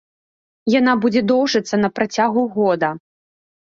Яна будзе доўжыцца на працягу года.